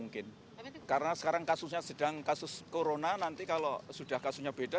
karena sekarang kasusnya sedang kasus corona nanti kalau sudah kasusnya beda